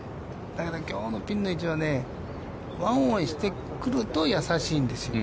だから、きょうのピンの位置はね、ワンオンをしてくると、易しいんですよ。